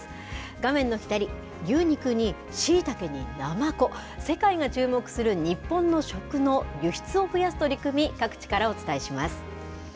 画面の左、牛肉にしいたけにナマコ、世界が注目する日本の食の輸出を増やす取り組み、各地からお伝えします。